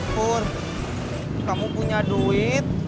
pur kamu punya duit